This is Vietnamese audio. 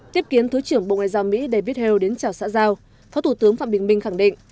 tiếp kiến thứ trưởng bộ ngoại giao mỹ david hale đến chào xã giao phó thủ tướng phạm bình minh khẳng định